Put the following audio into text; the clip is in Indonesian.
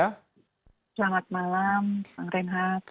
selamat malam pak renhat